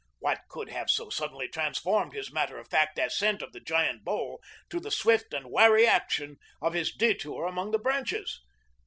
What could have so suddenly transformed his matter of fact ascent of the giant bole to the swift and wary action of his detour among the branches?